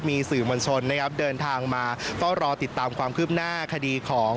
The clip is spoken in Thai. มีสื่อมวลชนนะครับเดินทางมาเฝ้ารอติดตามความคืบหน้าคดีของ